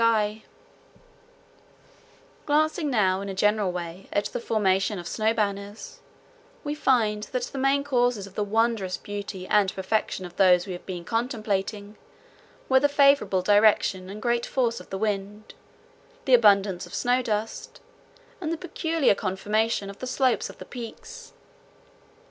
[Illustration: KOLANA ROCK, HETCH HETCHY VALLEY] Glancing now in a general way at the formation of snow banners, we find that the main causes of the wondrous beauty and perfection of those we have been contemplating were the favorable direction and great force of the wind, the abundance of snow dust, and the peculiar conformation of the slopes of the peaks.